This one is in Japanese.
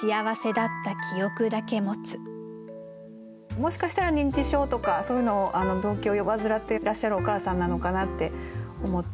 もしかしたら認知症とかそういうのを病気を患ってらっしゃるお母さんなのかなって思って。